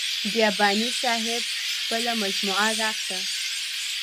بیاباني صاحب خپله مجموعه راکړه.